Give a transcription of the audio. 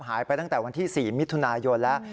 หายไปตั้งแต่วันที่๔มิถุนายนแล้ว